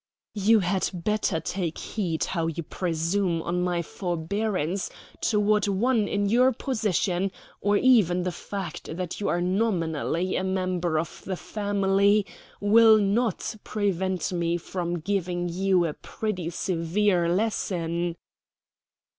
"You had better take heed how you presume on my forbearance toward one in your position, or even the fact that you are nominally a member of the family will not prevent me from giving you a pretty severe lesson."